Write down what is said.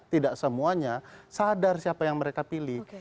tidak semuanya sadar siapa yang mereka pilih